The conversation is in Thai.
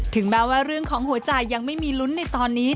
แม้ว่าเรื่องของหัวใจยังไม่มีลุ้นในตอนนี้